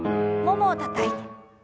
ももをたたいて。